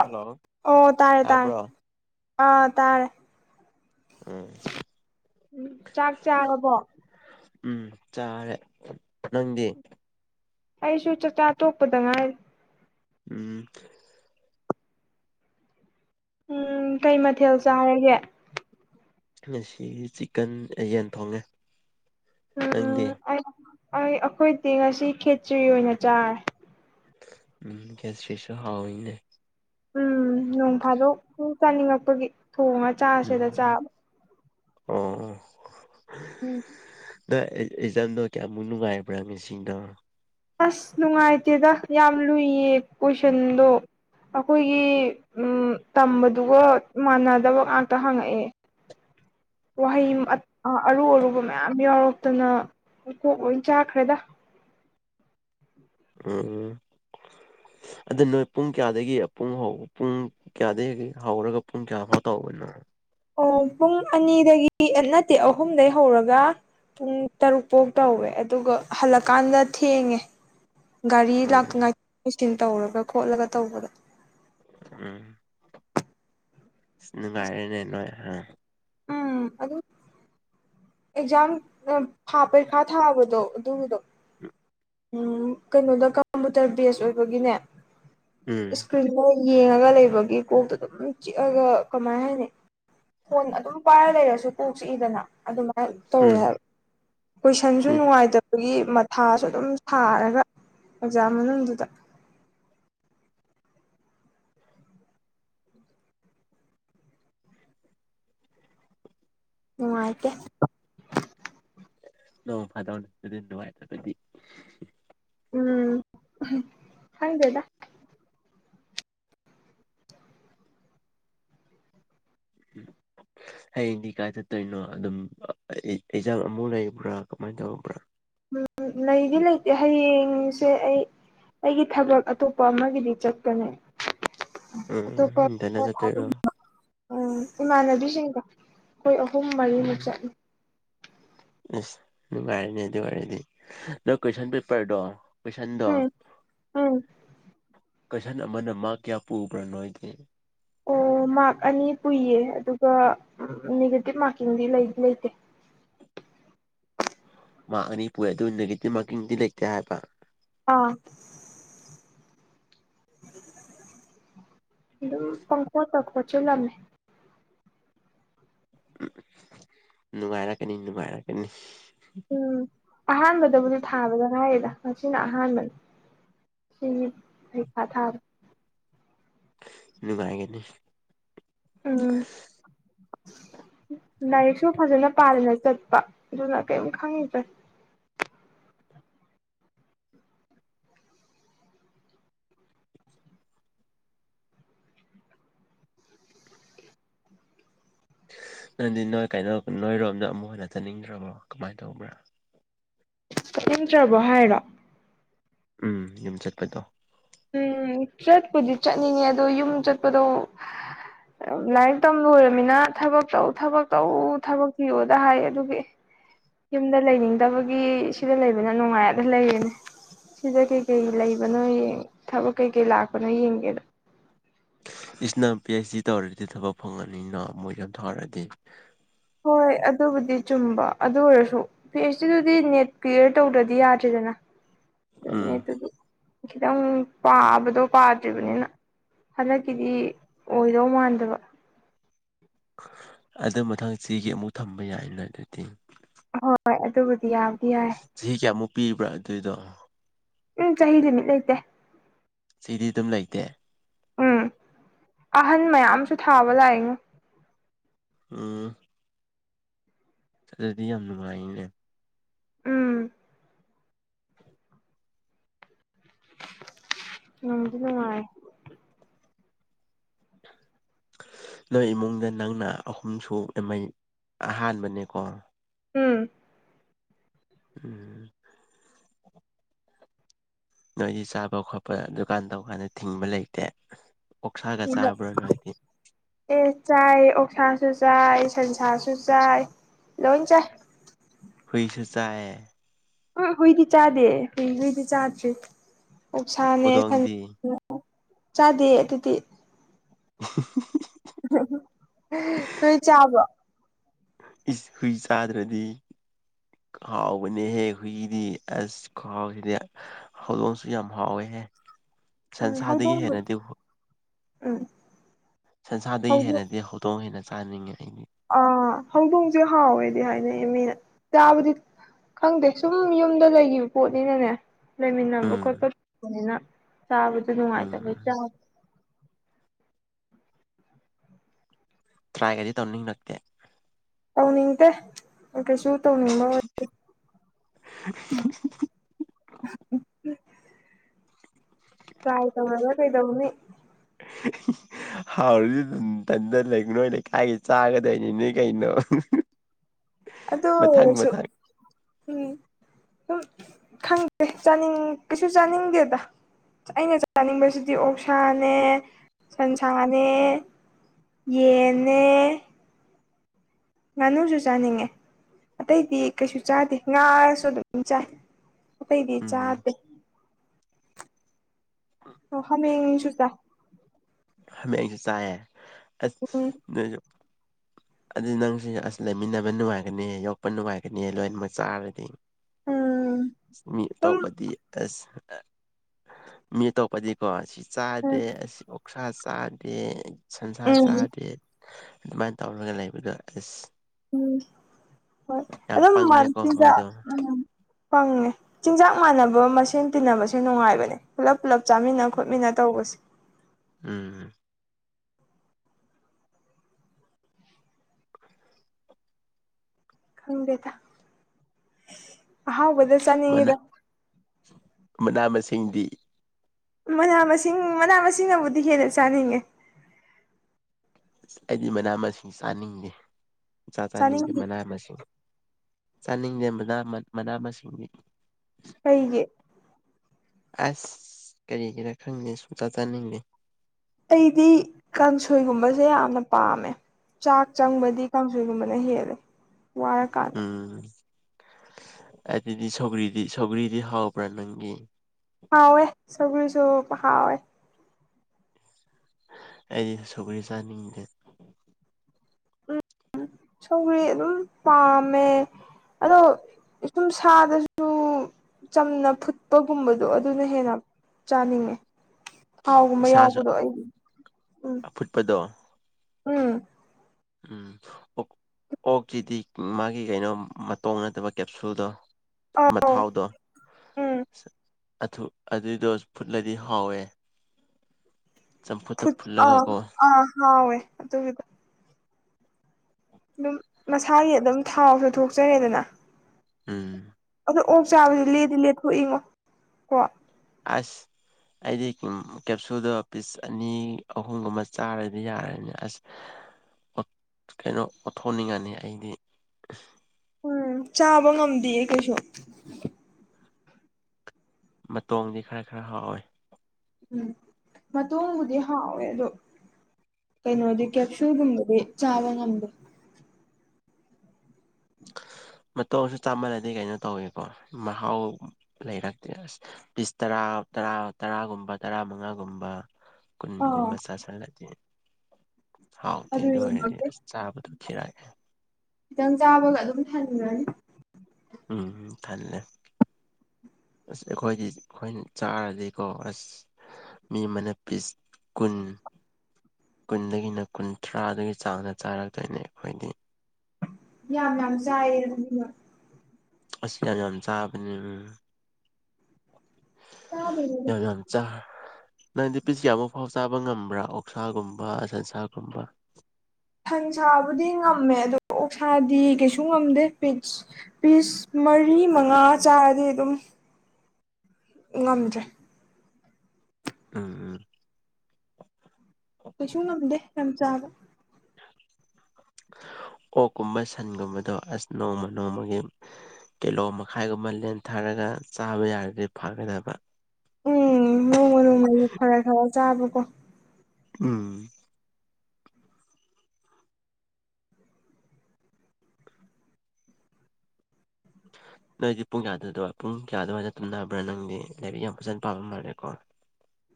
Hello ꯑꯣ ꯇꯥꯔꯦ ꯇꯥꯏꯔꯦ ꯇꯥꯕ꯭ꯔꯣ ꯑꯥ ꯇꯥꯔꯦ ꯎꯝ ꯎꯝ ꯆꯥꯛ ꯆꯥꯔꯕꯣ ꯎꯝ ꯆꯥꯔꯦ ꯅꯪꯗꯤ ꯑꯩꯁꯨ ꯆꯥꯛꯆꯥ ꯇꯣꯛꯛꯄꯗ ꯉꯥꯏꯔꯤ ꯎꯝ ꯎꯝ ꯀꯩ ꯃꯊꯦꯜ ꯆꯥꯔꯒꯦ ꯉꯁꯤ ꯆꯤꯀꯟ ꯌꯦꯟ ꯊꯣꯡꯉꯦ ꯅꯪꯗꯤ ꯎꯝ ꯑꯩ ꯑꯩ ꯑꯩꯈꯣꯏꯗꯤ ꯉꯁꯤ ꯈꯦꯆ꯭ꯔꯤ ꯑꯣꯏꯅ ꯆꯥꯔꯦ ꯎꯝ ꯈꯦꯆ꯭ꯔꯤꯁꯨ ꯍꯥꯎꯋꯤꯅꯦ ꯎꯝ ꯅꯣꯡ ꯐꯥꯗꯣꯛ ꯆꯥꯅꯤꯡꯉꯛꯄꯒꯤ ꯊꯣꯡꯉ ꯆꯥꯁ‌ꯦꯗ ꯎꯝ ꯆꯥꯕ ꯑꯣ ꯎꯝ ꯅꯣꯏ ꯑꯦꯛꯖꯥꯝꯗꯣ ꯀꯌꯥꯃꯨꯛ ꯅꯨꯡꯉꯥꯏꯕ꯭ꯔꯥ ꯉꯁꯤꯡꯗ‌ꯣ ꯑꯁ ꯅꯨꯡꯉꯥꯏꯇꯦꯗ ꯌꯥꯝ ꯂꯨꯏꯌꯦ ꯀꯣꯏꯁꯟꯗꯣ ꯑꯩꯈꯣꯏꯒꯤ ꯎꯝ ꯇꯝꯕꯗꯨꯒ ꯃꯥꯟꯅꯗꯕ ꯉꯥꯛꯇ ꯍꯪꯉꯛꯑꯦ ꯋꯥꯍꯩ ꯑꯔꯨ ꯑꯔꯨꯕ ꯃꯌꯥꯝ ꯌꯥꯎꯔꯛꯇꯅ ꯀꯣꯛ ꯂ‌ꯣꯏꯅ ꯆꯥꯛꯈ꯭ꯔꯦꯗ ꯎꯝ [inaudible] ꯑꯗꯨꯗ ꯅꯣꯏ ꯄꯨꯡ ꯀꯌꯥꯗꯒꯤ ꯄꯨꯡ ꯄꯨꯡ ꯀꯌꯥꯗꯒꯤ ꯍꯧꯔꯒ ꯄꯨꯡ ꯀꯌꯥ ꯐꯥꯎ ꯇꯧꯕꯅꯣ ꯑꯣ ꯄꯨꯡ ꯑꯅꯤꯗꯒꯤ ꯅꯠꯇꯦ ꯑꯍꯨꯝꯗꯒꯤ ꯍꯧꯔꯒ ꯄꯨꯡ ꯇꯔꯨꯛ ꯐꯧ ꯇꯧꯋꯦ ꯑꯗꯨꯒ ꯍꯜꯂꯛꯀꯥꯟꯗ ꯊꯦꯡꯉꯦ ꯒꯥꯔꯤ ꯂꯥꯛ ꯎꯝ ꯉꯥꯏ ꯉꯥꯏꯁꯤꯟ ꯇꯧꯔꯒ ꯈꯣꯠꯂꯒ ꯇꯧꯕꯗꯣ ꯎꯝ ꯅꯨꯡꯉꯥꯏꯔꯦꯅꯦ ꯅꯣꯏ ꯎꯝ ꯑꯗꯨ ꯑꯦꯛꯖꯥꯝ ꯊꯥꯕ ꯄꯔꯤꯈꯥ ꯊꯥꯕꯗꯣ ꯑꯗꯨꯏꯗꯣ ꯎꯝ ꯀꯩꯅꯣꯗ ꯀꯝꯄꯨꯇꯔ ꯕꯦꯁ ꯑꯣꯏꯕꯒꯤꯅꯦ ꯎꯝ ꯏꯁꯀ꯭ꯔꯤꯟ ꯌꯦꯡꯉꯒ ꯂꯩꯕꯒꯤ ꯀꯣꯛꯇꯣ ꯑꯗꯨꯝ ꯆꯤꯛꯑꯒ ꯀꯃꯥꯏ ꯍꯥꯏꯅꯤ ꯐꯣꯟ ꯑꯗꯨꯝ ꯄꯥꯏꯔ ꯂꯩꯔꯁꯨ ꯀꯣꯛ ꯆꯤꯏꯗꯅ ꯑꯗꯨ ꯇꯧꯋꯦ ꯎꯝ ꯍꯥꯏꯕ ꯀꯣꯏꯁꯟꯁꯨ ꯎꯝ ꯅꯨꯡꯉꯥꯏꯇꯕꯒꯤ ꯃꯊꯥꯁꯨ ꯑꯗꯨꯝ ꯊꯥꯔꯒ ꯑꯣꯖꯥ ꯃꯅꯨꯡꯗꯨꯗ ꯅꯨꯉꯥꯏꯇꯦ ꯅꯣꯡ ꯐꯥꯗꯣꯛ ꯑꯗꯨꯗꯤ ꯅꯨꯡꯉꯥꯏꯇꯕꯗꯤ ꯎꯝ ꯈꯪꯗꯦꯗ ꯎꯝ ꯍꯌꯦꯡꯗꯤ ꯀꯥꯏ ꯆꯠꯇꯣꯏꯅꯣ ꯑꯗꯨꯝ ꯑꯦꯛꯖꯥꯝ ꯑꯃꯨꯛ ꯂꯩꯕ꯭ꯔꯥ ꯀꯃꯥꯏꯅ ꯇꯧꯕ꯭ꯔꯥ ꯎꯝ ꯂꯩꯗꯤ ꯂꯩꯇꯦ ꯍꯌꯦꯡꯁꯦ ꯑꯩ ꯑꯩꯒꯤ ꯊꯕꯛ ꯑꯇꯣꯞꯄ ꯑꯃꯒꯤꯗꯤ ꯆꯠꯀꯅꯤ ꯎꯝ ꯑꯠꯇꯣꯞꯄ ꯅꯊꯟꯗ ꯆꯠꯇꯣꯏꯔꯣ [unintelligible] ꯎꯝ ꯏꯃꯥꯟꯅꯕꯤꯁꯤꯡꯗꯣ ꯑꯩꯈꯣꯏ ꯑꯍꯨꯝ ꯎꯝ ꯃꯔꯤꯃꯨꯛ ꯆꯠꯅꯤ ꯑꯁ ꯅꯨꯡꯉꯥꯏꯔꯅꯦ ꯑꯗꯨ ꯑꯣꯏꯔꯗꯤ ꯑꯗꯣ ꯀꯣꯏꯁꯟ ꯄꯦꯄꯔꯗꯣ ꯀꯣꯏꯁꯟꯗꯣ ꯎꯝ ꯎꯝ ꯀꯣꯏꯁꯟ ꯑꯃꯅ ꯃꯥꯔꯛ ꯀꯌꯥ ꯄꯨꯕ꯭ꯔ ꯅꯣꯏꯒꯤ ꯑꯣ ꯃꯥꯔꯛ ꯑꯅꯤ ꯄꯨꯏꯌꯦ ꯑꯗꯨꯒ ꯅꯦꯒꯦꯇꯤꯞ ꯃꯥꯔꯀꯤꯡꯗꯤ ꯂꯩꯗꯤ ꯂꯩꯇꯦ [unintelligible] ꯃꯥꯔꯛ ꯑꯅꯤ ꯄꯨꯌꯦ ꯑꯗꯨ ꯅꯦꯒꯦꯇꯤꯚ ꯃꯥꯔꯛꯀꯤꯡꯗꯤ ꯂꯩꯇꯦ ꯍꯥꯏꯕ ꯑꯥ ꯑꯗꯨꯝ ꯄꯪꯈꯣꯠꯇ ꯈꯣꯠꯆꯜꯂꯝꯃꯦ ꯎꯝ ꯅꯨꯡꯉꯥꯏꯔꯛꯀꯅꯤ ꯅꯨꯡꯉꯥꯏꯔꯛꯀꯅꯤ ꯎꯝ ꯑꯍꯥꯟꯕꯗꯕꯨꯗꯤ ꯊꯥꯕꯗ ꯉꯥꯏꯔꯤꯗ ꯉꯁꯤꯅ ꯑꯍꯥꯟꯕꯅꯤ ꯁꯤꯒꯤ ꯄꯩꯈꯥ ꯊꯥꯕ ꯅꯨꯡꯉꯥꯏꯒꯅꯤ ꯎꯝ ꯂꯥꯏꯔꯤꯛꯁꯨ ꯐꯖꯅ ꯄꯥꯗꯅ ꯆꯠꯄ ꯑꯗꯨꯅ ꯀꯔꯤꯝ ꯈꯪꯗꯔꯦ ꯅꯪꯗꯤ ꯅꯣꯏ ꯀꯩꯅꯣ ꯅꯣꯏꯔꯣꯝꯗ ꯑꯃꯨꯛ ꯍꯟꯅ ꯆꯠꯅꯤꯡꯗ꯭ꯔꯕꯣ ꯀꯃꯥꯏꯅ ꯇꯧꯕ꯭ꯔꯥ ꯆꯠꯅꯤꯡꯗ꯭ꯔꯕꯣ ꯍꯥꯏꯔꯣ ꯎꯝ ꯌꯨꯝ ꯆꯠꯄꯗꯣ ꯎꯝ ꯆꯠꯄꯨꯗꯤ ꯆꯠꯅꯤꯡꯉꯦ ꯑꯗꯣ ꯌꯨꯝ ꯆꯠꯄꯗꯣ ꯂꯥꯏꯔꯤꯛ ꯇꯝ ꯂꯣꯏꯔꯃꯤꯅ ꯊꯕꯛ ꯇꯧ ꯊꯕꯛ ꯇꯧ ꯊꯕꯛ ꯊꯤꯌꯣꯗ ꯍꯥꯏ ꯑꯗꯨꯒꯤ ꯌꯨꯝꯗ ꯂꯩꯅꯤꯡꯗꯕꯒꯤ ꯁꯤꯗ ꯂꯩꯕꯅ ꯅꯨꯡꯉꯥꯏꯅ ꯂꯩꯔꯤꯅꯦ ꯁꯤꯗ ꯀꯩꯀꯩ ꯂꯩꯕꯅꯣ ꯌꯦꯡ ꯊꯕꯛ ꯀꯩꯀꯩ ꯂꯥꯛꯄꯅꯣ ꯌꯦꯡꯒꯦꯅ ꯏꯁꯅ ꯄꯤ ꯑꯩꯩꯆ ꯗꯤ ꯇꯧꯔꯗꯤ ꯊꯕꯛ ꯐꯪꯉꯅꯤꯅ ꯃꯣꯏꯒ ꯊꯥꯔꯛꯑꯗꯤ ꯍꯣꯏ ꯑꯗꯨꯕꯨꯗꯤ ꯆꯨꯝꯕ ꯑꯗꯨ ꯑꯣꯏꯔꯁꯨ ꯄꯤ ꯑꯩꯁ ꯗꯤ ꯗꯨꯗꯤ ꯅꯦꯠ ꯀ꯭ꯂꯤꯂꯤꯌꯥꯔ ꯇꯧꯗ꯭ꯔꯗꯤ ꯌꯥꯗ꯭ꯔꯦꯗ ꯅ ꯎꯝ ꯈꯤꯇꯪ ꯄꯥꯕꯗꯣ ꯄꯥꯗ꯭ꯔꯤꯕꯅꯤꯅ ꯍꯟꯗꯛꯀꯤꯗꯤ ꯑꯣꯏꯗꯧ ꯃꯥꯟꯗꯕ ꯑꯗꯨ ꯃꯊꯪ ꯆꯍꯤꯒꯤ ꯑꯃꯨꯛ ꯊꯥꯕ ꯌꯥꯏꯅ ꯑꯗꯨꯗꯤ ꯍꯣꯏ ꯑꯗꯨꯕꯨꯗꯤ ꯌꯥꯝ ꯆꯍꯤ ꯀꯌꯥꯃꯨꯛ ꯄꯤꯔꯤꯕ꯭ꯔ ꯑꯗꯨꯏꯗꯣ ꯎꯝ ꯆꯍꯤ ꯂꯤꯃꯤꯠ ꯂꯩꯩꯇꯦ ꯆꯍꯤꯗꯤ ꯑꯗꯨꯝ ꯂꯩꯇꯦ ꯎꯝ ꯑꯍꯟ ꯃꯌꯥꯝ ꯑꯃꯁꯨ ꯊꯥꯕ ꯂꯥꯛꯑꯦꯉꯣ ꯎꯝ ꯑꯗꯨꯗꯤ ꯌꯥꯝ ꯅꯨꯡꯉꯥꯏꯅꯦ ꯎꯝ ꯅꯪꯗꯤ ꯅꯨꯉꯔ ꯅꯣꯏ ꯏꯃꯨꯡꯗ ꯅꯪꯅ ꯑꯍꯨꯝꯁꯨ ꯃꯩ ꯑꯍꯥꯟꯕꯅꯦꯀꯣ ꯎꯝ ꯎꯝ ꯅꯣꯏꯗꯤ ꯆꯥꯕ ꯈꯣꯠꯄ ꯗꯨꯀꯥꯟ ꯇꯧꯀꯥꯟꯗ ꯊꯤꯡꯕ ꯂꯩꯇꯦ ꯑꯣꯛꯁꯥꯒ ꯆꯥꯕ꯭ꯔꯥꯅ ꯍꯥꯏꯗꯤ ꯑꯦ ꯆꯥꯏ ꯑꯣꯛꯁꯥꯁꯨ ꯆꯥꯏ ꯁꯟꯁꯥꯁꯨ ꯆꯥꯏ ꯂꯣꯏ ꯆꯥꯏ ꯍꯨꯢꯁꯨ ꯆꯥꯏꯌꯦ ꯑ ꯍꯨꯏꯗꯤ ꯆꯥꯗꯦ ꯍꯨꯏ ꯍꯨꯏꯗꯤ ꯆꯥꯗ꯭꯭ꯔꯦ ꯑꯣꯛꯁꯥꯅꯦ ꯁꯟ ꯍꯧꯗꯣꯡꯗꯤ ꯆꯥꯗꯦ ꯑꯗꯨꯗꯤ ꯑ ꯍ ꯍ ꯍ ꯅꯣꯏ ꯆꯥꯕ꯭ꯔꯣ ꯏꯁ ꯍꯨꯏ ꯆꯥꯗ꯭ꯔꯗꯤ ꯍꯥꯎꯕꯅꯦꯍꯦ ꯍꯨꯏꯗꯤ ꯑꯁ ꯈꯥꯎꯁꯤꯗꯤ ꯍꯧꯗꯣꯡꯁꯨ ꯌꯥꯝ ꯍꯥꯎꯋꯦ ꯑꯦ ꯎꯝ ꯁꯟꯁꯥꯔꯗꯒꯤ ꯍꯧꯗꯣꯡꯕꯨ ꯍꯦꯟꯅꯗꯤ ꯍ ꯎꯝ ꯁꯟꯁꯥꯔꯗꯒꯤ ꯍꯧꯗꯣꯡ ꯍꯦꯟꯅꯗꯤ ꯍꯧꯗꯣꯡ ꯍꯦꯟꯅ ꯆꯥꯅꯤꯡꯉꯦ ꯑꯩꯗꯤ ꯑꯥ ꯍꯧꯗꯣꯡꯁꯨ ꯍꯥꯎꯋꯦꯗꯤ ꯍꯥꯏꯅꯩꯌꯦ ꯃꯤꯅ ꯆꯥꯕꯗꯤ ꯈꯪꯗꯦ ꯁꯨꯝ ꯌꯨꯝꯗ ꯂꯩꯈꯤꯕ ꯄꯣꯠꯅꯤꯅꯅꯦ ꯂꯩꯃꯤꯟꯅꯕ ꯎꯝ ꯈꯣꯠꯄꯕꯅꯤꯅ ꯆꯥꯕꯗꯨ ꯅꯨꯡꯉꯥꯏ ꯇ ꯆꯥ ꯎꯝ ꯇ꯭ꯔꯥꯏ ꯀꯔꯤ ꯇꯧꯅꯤꯡ ꯅꯇ ꯑꯧꯅꯤꯡꯗꯦ ꯑꯣ ꯀꯩꯁꯨ ꯇꯧꯅꯤꯡꯕ [inaudible] ꯇꯥꯏ ꯇꯧꯔ ꯀꯩꯗꯧꯅꯤ [inaudible] ꯍꯥꯎꯔꯤꯗꯤ ꯑꯗꯨꯝ ꯇꯟꯖꯜ ꯂꯩ ꯉꯣꯏ ꯂꯩꯀꯥꯏꯒꯤ ꯆꯥꯒꯗꯣꯏꯅꯤ ꯅꯣꯏ ꯀꯩꯅꯣ ꯃꯊꯪ ꯑꯗꯣꯑꯣꯢꯁꯨ ꯃꯊꯪ ꯎꯝ ꯁꯨꯝ ꯈꯪꯗꯦ ꯆꯥꯅꯤꯡ ꯀꯩꯁꯨ ꯆꯥꯅꯤꯡꯗꯦꯗ ꯑꯩꯅ ꯆ ꯆꯥꯅꯤꯡꯕꯁꯤꯗꯤ ꯑꯣꯛꯁꯥꯅꯦ ꯁꯟꯁꯥꯅꯦ ꯌꯦꯟꯅꯦ ꯉꯥꯅꯨꯁꯨ ꯆꯥꯅꯤꯡꯉꯦ ꯑꯇꯩꯗꯤ ꯀꯩꯁꯨ ꯆꯥꯗꯦ ꯉꯥꯁꯨ ꯑꯗꯨꯝ ꯆꯥꯏ ꯑꯇꯩꯗꯤ ꯎꯝ ꯆꯥꯗꯦ ꯑꯣ ꯍꯥꯃꯦꯁꯨ ꯆꯥꯢ ꯍꯥꯃꯦꯡ ꯁꯨ ꯆꯥꯏꯌꯦ ꯑꯁ ꯎꯝ [inaudible] ꯑꯗꯨ ꯅꯪꯁ ꯑꯁ ꯂꯩꯃꯤꯟꯅꯕ ꯅꯨꯡꯉꯥꯏꯒꯅꯤ ꯌꯣꯛꯄ ꯅꯨꯡꯉꯥꯏꯒꯅꯤ ꯂꯣꯏꯅꯃꯛ ꯆꯥꯔꯗꯤ ꯎꯝ ꯃꯤ ꯑꯗꯨꯝ ꯑꯇꯣꯞꯄꯗꯤ ꯑꯁ ꯃꯤ ꯑꯇꯣꯞꯄꯗꯤꯀꯣ ꯁꯤ ꯎꯝ ꯆꯥꯗꯦ ꯑꯁꯤ ꯑꯣꯛꯁ꯭ꯔꯥ ꯆꯥꯗꯦ ꯁꯟꯁꯥ ꯎꯝ ꯆꯥꯗꯦ ꯑꯗꯨꯃꯥꯏꯅ ꯇꯧꯔꯒ ꯂꯩꯕꯗꯣ ꯑꯁ ꯎꯝ ꯍꯣꯏ ꯌꯥꯝ ꯑꯗꯨꯝ ꯄꯪꯉꯦꯀꯣ ꯃꯗ ꯃꯣꯏꯗꯣ ꯎ ꯐꯪꯉꯦ ꯆꯤꯟꯖꯥꯛ ꯃꯥꯟꯅꯕ ꯃꯁꯦꯟ ꯇꯤꯟꯅꯕꯁꯦ ꯅꯨꯡꯉꯥꯏꯕꯅꯦ ꯄꯨꯜꯂꯞ ꯄꯨꯜꯂꯞ ꯆꯥꯃꯤꯟꯅ ꯈꯣꯠꯃꯤꯟꯅ ꯇꯧꯕꯁꯦ ꯑꯝ ꯈꯪꯗꯦꯗ ꯑꯍꯥꯎꯕꯗ ꯃꯅꯥ ꯆꯅꯤꯗ ꯃꯅꯥ ꯃꯁꯤꯡꯗꯤ ꯃꯅꯥ ꯃꯁꯤꯡ ꯃꯅꯥ ꯃꯁꯤꯡꯅꯕꯨꯗꯤ ꯍꯦꯟꯅ ꯆꯥꯅꯤꯡꯉꯦ ꯑꯩꯗꯤ ꯃꯅꯥ ꯃꯁꯤꯡ ꯆꯥꯅꯤꯡꯗꯦ ꯏꯥ ꯆꯥꯅꯤꯡꯗꯦ ꯃꯅꯥ ꯃꯁꯤꯡ ꯆꯥꯅꯤꯡꯂꯦꯝꯕꯅ ꯃꯅꯥ ꯃꯁꯤꯡꯗꯤ ꯀꯩꯒꯤ꯫ ꯑꯁ ꯀꯔꯤꯒꯤꯔꯥ ꯈꯪꯗꯦ ꯁꯨꯡꯇꯥ ꯇꯥꯅꯤꯡꯗꯦ꯫ ꯑꯩꯗꯤ ꯀꯥꯡꯁꯣꯏꯒꯨꯝꯕꯁꯦ ꯌꯥꯝꯅ꯫ ꯄꯥꯝꯃꯦ ꯆꯥꯛ ꯆꯪꯕꯗꯤ ꯀꯥꯡꯁꯣꯏꯒꯨꯝꯕꯅ ꯍꯦꯜꯂꯦ꯫ ꯋꯥꯔꯀꯥꯟꯗ ꯎꯝ ꯑꯗꯨꯗꯤ ꯁꯧꯒꯔꯤꯗꯤ ꯁꯧꯒꯔꯤꯗꯤ ꯍꯎꯕꯔ ꯅꯪꯗꯤ꯫ ꯍꯎꯋꯦ ꯁꯧꯒꯔꯤꯁꯨ ꯍꯎꯋꯦ꯫ ꯑꯩꯗꯤ ꯁꯧꯒꯔꯤ ꯆꯥꯅꯤꯡꯗꯦ꯫ ꯎꯝ ꯁꯧꯔꯤ ꯑꯗꯨꯝ ꯄꯥꯝꯃꯦ꯫ ꯑꯗꯣ ꯁꯨꯝ ꯁꯥꯗꯁꯨ꯫ ꯆꯝꯅ ꯐꯨꯠꯄꯒꯨꯝꯕꯗꯣ ꯑꯗꯨꯅ ꯍꯦꯟꯅ ꯆꯥꯅꯤꯡꯉꯦ꯫ ꯊꯥꯎꯒꯨꯝꯕ ꯁꯥꯁꯨ ꯌꯥꯎꯕꯗꯣ ꯑꯩꯗꯤ ꯎꯝ ꯑꯐꯨꯠꯄꯗꯣ ꯎꯝ꯫ ꯎꯝ ꯑꯣ ꯑꯣ ꯁꯤꯗꯤ ꯃꯥꯒꯤ ꯀꯩꯅꯣ ꯃꯇꯣꯡ ꯅꯠꯇꯕ ꯀꯦꯞꯁꯨꯜꯗꯣ ꯑꯧ ꯃꯊꯥꯎꯗꯣ ꯎꯝ ꯑꯗꯨ ꯑꯗꯨꯏꯗꯣ ꯐꯨꯠꯂꯗꯤ ꯍꯥꯎꯋꯦ꯫ ꯆꯝꯐꯨꯠꯇ ꯐꯨꯠ ꯑ ꯐꯨꯠꯂꯒꯀꯣ ꯑꯥ ꯍꯎꯋꯦ ꯑꯗꯨꯒꯤꯗꯣ꯫ ꯑꯗꯨꯝ ꯃꯁꯥꯒꯤ ꯑꯗꯨꯝ ꯊꯥꯎꯁꯨ ꯊꯣꯛꯆꯔꯦꯗꯅ꯫ ꯎꯝ ꯑꯗꯨꯣ ꯑꯣꯛ ꯆꯥꯕꯗꯤ ꯂꯦꯗꯤ ꯂꯦꯊꯣꯛꯏꯉꯣ ꯀꯣ꯫ ꯑꯁ ꯑꯩꯗꯤ ꯎꯝ ꯀꯦꯞꯁꯨꯜꯗꯣ ꯄꯤꯁ ꯑꯅꯤ ꯑꯍꯨꯝꯒꯨꯝꯕ ꯆꯥꯔꯗꯤ ꯌꯥꯔꯅꯤ ꯑꯁ꯫ ꯑꯣ ꯀꯩꯅꯣ ꯑꯣꯊꯣꯛꯅꯤꯡꯉꯥꯅꯤ ꯑꯩꯗꯤ꯫ ꯎꯝ ꯆꯥꯕ ꯉꯝꯗꯤꯌꯦ ꯀꯩꯁꯨ꯫ ꯃꯇꯣꯡꯗꯤ ꯈꯔ ꯈꯔ ꯍꯥꯎꯋꯦ꯫ ꯎꯝ ꯃꯇꯣꯡꯕꯨꯗꯤ ꯍꯥꯎꯋꯦ ꯑꯗꯨꯣ꯫ ꯀꯩꯅꯣꯗꯤ ꯀꯦꯞꯁꯨꯜꯒꯨꯝꯕꯗꯤ ꯆꯥꯕ ꯉꯝꯗꯦ꯫ [unintelligible] ꯃꯇꯣꯡꯁꯨ ꯆꯥꯃꯜꯂꯗꯤ ꯀꯩꯅꯣ ꯇꯧꯏꯤꯀꯣ ꯃꯍꯥꯎ ꯂꯩꯔꯛꯇꯦ ꯑꯁ ꯄꯤꯁ ꯇꯔꯥ꯫ ꯇꯔ ꯇꯔꯥꯒꯨꯝꯕ ꯇꯔꯥ ꯃꯉꯥꯒꯨꯝꯕ ꯑꯥ ꯀꯨꯟꯒꯨꯝꯕ ꯆꯥꯁꯤꯜꯂꯗꯤ꯫ ꯍꯥꯎꯇꯦ ꯑꯗꯨ ꯑꯣꯏꯔꯗꯤ ꯑꯁ ꯆꯥꯕꯗꯣ ꯈꯤꯔꯛꯑꯦ꯫ ꯈꯤꯇꯪ [inaudible] ꯎꯝ ꯊꯜꯂꯦ꯫ ꯑꯁ ꯑꯩꯈꯣꯏꯗꯤ ꯑꯩꯈꯣꯏꯅ ꯆꯥꯔꯗꯤꯀꯣ ꯑꯁ ꯃꯤ ꯑꯃꯅ ꯄꯤꯁ꯫ ꯀꯨꯟ꯫ ꯀꯨꯟꯗꯒꯤꯅ ꯀꯨꯟꯊ꯭ꯔꯥꯗꯨꯒꯤ ꯆꯥꯡꯗ ꯆꯥꯔꯛꯇꯣꯏꯅꯦ ꯑꯩꯈꯣꯏꯗꯤ꯫ ꯌꯥꯝ ꯌꯥꯝ ꯆꯥꯏꯌꯦ [inaudible] ꯑꯁ ꯌꯥꯝ ꯌꯥꯝ ꯆꯥꯕꯅꯦ ꯎꯝ ꯆꯥꯗꯣꯏꯅꯤꯗ [inaudible] ꯅꯪꯗꯤ ꯄꯤꯁ ꯀꯌꯥꯃꯨꯛ ꯐꯥꯎ ꯆꯥꯕ ꯉꯝꯕ꯭ꯔꯥ ꯑꯣꯛꯁꯥꯒꯨꯝꯕ ꯁꯟꯁꯥꯒꯨꯝꯕ꯫ ꯁꯟꯁꯥꯕꯨꯗꯤ ꯉꯝꯃꯦ ꯑꯗꯣ ꯑꯣꯛꯁꯥꯗꯤ ꯀꯩꯁꯨ ꯉꯝꯗꯦ ꯄꯤꯇꯁ ꯄꯤꯁ ꯃꯔꯤ ꯃꯉꯥ ꯆꯥꯔꯗꯤ ꯑꯗꯨꯝ꯫ ꯉꯝꯗ꯭ꯔꯦ꯫ ꯎꯝ꯫ ꯀꯩꯁꯨ ꯉꯝꯗꯦ ꯌꯥꯝ ꯆꯥꯕ꯫ ꯑꯣꯛꯀꯨꯝꯕ ꯁꯟꯒꯨꯝꯕꯗꯣ ꯑꯁ ꯅꯣꯡꯃ ꯅꯣꯡꯃꯒꯤ꯫ ꯀꯤꯂꯣ ꯃꯈꯥꯏꯒꯨꯝꯕ ꯂꯦꯟꯊꯔꯒ ꯆꯥꯕ ꯌꯥꯔꯗꯤ ꯐꯒꯗꯕ꯫ ꯎꯝ ꯅꯣꯡꯃ ꯅꯣꯡꯃꯒꯤ ꯈꯔ ꯈꯔ ꯆꯥꯕꯀꯣ꯫ ꯎꯝ ꯅꯣꯏꯗꯤ ꯄꯨꯡ ꯀꯌꯥꯗꯨꯗꯣ ꯄꯨꯡ ꯀꯌꯥ ꯑꯗꯨꯋꯥꯏꯗ ꯇꯨꯝꯅꯕ꯭ꯔꯥ ꯅꯪꯗꯤ ꯂꯥꯏꯔꯤꯛ ꯌꯥꯝ ꯐꯖꯅ ꯄꯥꯕ ꯃꯥꯜꯂꯦꯀꯣ꯫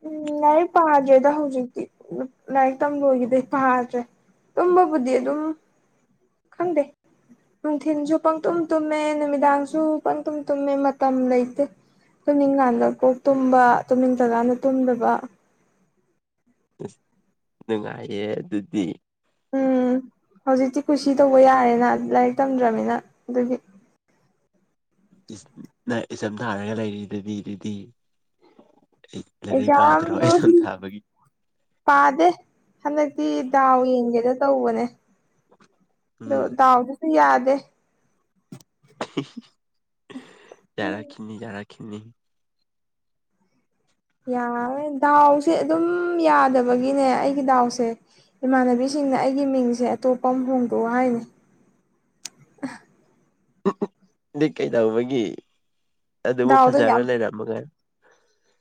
ꯎꯝ ꯂꯥꯏꯔꯤꯛ ꯄꯥꯗꯦꯗ ꯍꯧꯖꯤꯛꯇꯤ ꯂꯥꯏꯔꯤꯛ ꯇꯝ ꯂꯣꯏꯈꯤꯕꯗꯩ ꯄꯥꯗ꯭ꯔꯦ꯫ ꯇꯝꯕ ꯕꯨꯗꯤꯤ ꯑꯗꯨꯝ ꯈꯟꯗꯦ ꯅꯨꯡꯊꯤꯤꯟꯁꯨ ꯄꯪꯇꯨꯝ ꯇꯨꯝꯃꯦ ꯅꯨꯃꯤꯗꯥꯡꯁꯨ ꯄꯪꯇꯨꯝ ꯇꯨꯝꯃꯦ ꯃꯇꯝ ꯂꯩꯇꯦ ꯇꯨꯝꯅꯤꯡꯀꯥꯟꯗ ꯀꯣꯛ ꯇꯨꯝꯕ ꯇꯨꯝꯅꯤꯡꯗꯀꯥꯟꯗ ꯇꯨꯝꯗꯕ ꯑꯁ ꯅꯨꯡꯉꯥꯏꯌꯦ ꯑꯗꯨꯗꯤ ꯎꯝ ꯍꯧꯖꯤꯛꯇꯤ ꯀꯨꯁꯤ ꯇꯧꯕ ꯌꯥꯔꯦꯅ ꯂꯥꯏꯔꯤꯛ ꯇꯝꯗ꯭ꯔꯅꯤꯅ ꯑꯗꯨꯒꯤ ꯏꯁ ꯅꯪ ꯑꯦꯛꯖꯝ ꯊꯔꯒꯥ ꯂꯩꯔꯤꯗꯨꯗꯤ ꯑꯗꯨꯗꯤ ꯑꯩ ꯂꯥꯏꯔꯤꯛ ꯄꯥꯗ꯭ꯔꯣ ꯑꯦꯛꯖꯥꯝꯗꯣ ꯑꯦꯛꯖꯥꯝ ꯊꯥꯕꯒꯤ? ꯄꯥꯗꯦ ꯍꯟꯗꯛꯇꯤ ꯗꯥꯎ ꯌꯦꯡꯒꯦꯗ ꯇꯧꯕꯅꯦ ꯎꯝ ꯑꯗꯣꯗꯥꯎꯗꯨꯁꯨ ꯌꯥꯗ ꯌꯥꯔꯥ ꯀꯅꯤ ꯌꯥꯔꯥ ꯀꯅꯤ ꯌꯥꯔ ꯗꯥꯎꯁꯦ ꯑꯗꯨꯝ ꯌꯥꯗꯕꯒꯤꯅꯦ ꯑꯩꯒꯤ ꯗꯥꯎꯁꯦ ꯏꯃꯥꯟꯅꯕꯤꯁꯤꯡ ꯃꯤꯅ ꯑꯩꯒꯤ ꯃꯤꯡꯁꯦ ꯑꯇꯣꯞꯄ ꯑꯃ ꯍꯣꯡꯗꯣꯛ ꯍꯥꯏꯅꯤ ꯑꯗꯤ ꯀꯩꯗꯧꯕꯒꯤ ꯑꯗꯨꯕꯨ ꯗꯥꯎꯗꯣ ꯐꯖꯔ ꯌꯥꯝ ꯂꯩꯔꯝꯃꯒꯥꯏ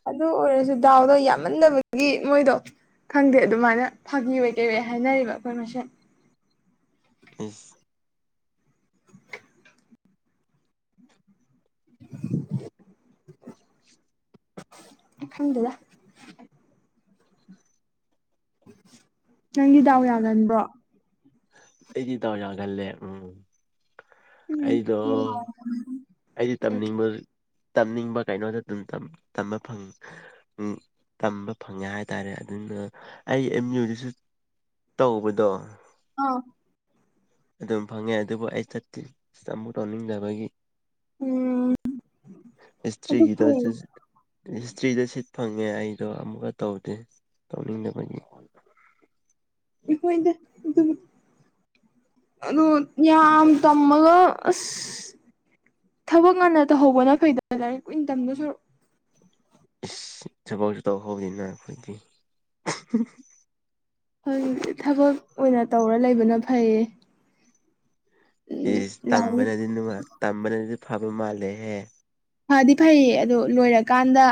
ꯑꯗꯨ ꯑꯣꯏꯔꯁꯨ ꯗꯥꯎꯗꯣ ꯌꯥꯝꯃꯟꯅꯕꯒꯤ ꯃꯣꯏꯗꯣ ꯈꯪꯗꯦ ꯑꯗꯨꯃꯥꯏꯅ ꯐꯥꯒꯤ ꯑꯣꯏ ꯀꯩꯑꯣꯏ ꯍꯥꯏꯅꯔꯤꯕ ꯑꯩꯈꯣꯏ ꯃꯁꯦꯟ ꯎꯝ [inaudible] ꯈꯪꯗꯦꯗ ꯅꯪꯒꯤ ꯗꯥꯎ ꯌꯥꯒꯟꯕ꯭ꯔꯣ? ꯑꯩꯗꯤ ꯗꯥꯎ ꯌꯥꯒꯜꯂꯦ ꯎꯝ ꯎꯝ ꯑꯩꯗꯣ ꯑꯩꯗꯤ ꯇꯝꯅꯤꯡꯕ ꯇꯝꯅꯤꯡꯕ ꯀꯩꯅꯣꯗ ꯑꯗꯨꯝꯕ ꯇꯝꯕ ꯐꯪꯉꯦ ꯍꯥꯏꯇꯥꯔꯦ ꯑꯗꯨꯅ ꯑꯩ ꯑꯦꯝ ꯌꯨꯗꯁꯨ ꯇꯧꯕꯗꯣ ꯑꯥ ꯑꯗꯨꯝ ꯐꯪꯉꯦ ꯑꯗꯨꯕꯨ ꯑꯩ ꯆꯠꯇ ꯑꯃꯨꯛ ꯇꯧꯅꯤꯡꯗꯕꯒꯤ ꯎꯝ ꯑꯗꯨ ꯍꯤꯁꯇ꯭ꯔꯤꯒꯤꯗ ꯐꯔꯦ ꯍꯤꯁꯇ꯭ꯔꯤꯗ ꯐꯪꯉꯦ ꯑꯩꯗꯣ ꯑꯃꯨꯛꯀ ꯇꯧꯗꯦ ꯇꯧꯅꯤꯡꯗꯕꯒꯤ [unintelligible] ꯑꯗꯨ ꯌꯥꯝ ꯇꯝꯃꯒ ꯑꯁ ꯊꯕꯛ ꯉꯟꯅ ꯇꯧꯍꯧꯕꯅ ꯐꯩꯗ ꯂꯥꯏꯔꯤꯛ ꯀꯨꯏꯅ ꯇꯝꯗꯨꯏ ꯁꯔꯨꯛ ꯫ ꯏꯁ ꯊꯕꯛꯁꯨ ꯇꯧꯍꯧꯕꯅꯤꯅ ꯑꯩꯈꯣꯏꯒꯤ ꯍꯧꯖꯤꯛꯇꯤ ꯊꯕꯛ ꯑꯣꯏꯅ ꯇꯧꯔ ꯂꯩꯕꯅ ꯐꯩꯌꯦ ꯎꯝ ꯏꯁ ꯂꯥꯏꯔꯤꯛ ꯇꯝꯕꯅꯗꯤ ꯅꯨꯡꯉꯥꯏ ꯇꯝꯕꯅꯗꯤ ꯐꯕ ꯃꯥꯜꯂꯦꯍꯦ꯫ ꯐꯗꯤ ꯐꯩꯌꯦ ꯑꯗꯣ ꯂꯣꯏꯔꯀꯥꯟꯗ